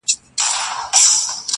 او که خدای مه کړه -